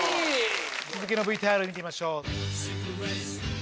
続きのＶＴＲ見てみましょう。